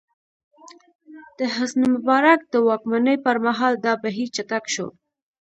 د حسن مبارک د واکمنۍ پر مهال دا بهیر چټک شو.